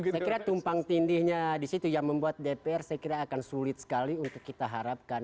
saya kira tumpang tindihnya di situ yang membuat dpr saya kira akan sulit sekali untuk kita harapkan